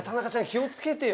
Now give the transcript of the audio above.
気をつけてよ。